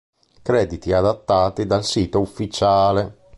Crediti adattati dal sito ufficiale.